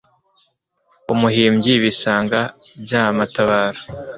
umuhimbyi bisanga bya matabaro